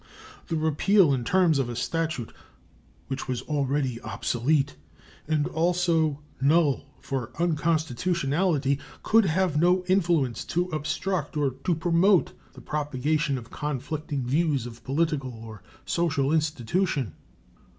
The repeal in terms of a statute, which was already obsolete and also null for unconstitutionality, could have no influence to obstruct or to promote the propagation of conflicting views of political or social institution.